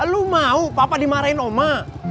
lu mau papa dimarahin oma